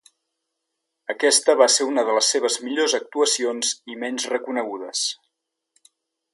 Aquesta va ser una de les seves millors actuacions i menys reconegudes.